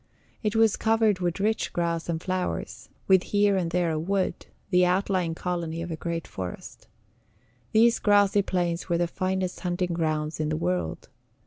It was covered with rich grass and flowers, with here and there a wood, the outlying colony of a great forest. These grassy plains were the finest hunting grounds in the world.